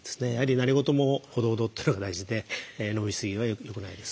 何事もほどほどっていうのが大事で飲みすぎは良くないです。